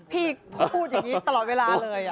พี่พูดอย่างนี้ตลอดเวลาเลย